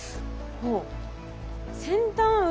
ほう。